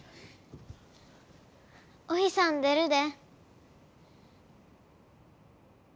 お日さん出るで。